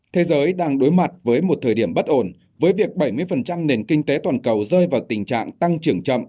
thế giới đang đối mặt với một thời điểm bất ổn với việc bảy mươi nền kinh tế toàn cầu rơi vào tình trạng tăng trưởng chậm